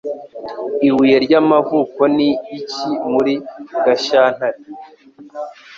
Ibuye ry'amavuko ni iki muri Gashyantare?